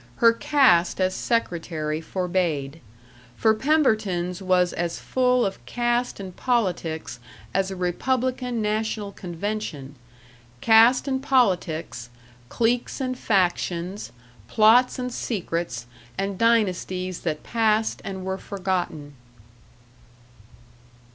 Her caste as secretary forbade. For Pemberton's was as full of caste and politics as a Republican national convention; caste and politics, cliques and factions, plots and secrets, and dynasties that passed and were forgotten.